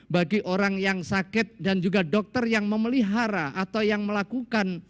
bagi orang yang sakit dan juga dokter yang memelihara atau yang melakukan